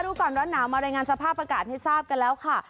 ดูก่อนร้อนหนาวมารายงานสภาพอากาศให้ทราบกันแล้วค่ะ